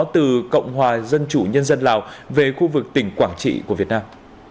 từ cộng hòa dân chủ nhân dân lào về khu vực tỉnh quảng trị của việt nam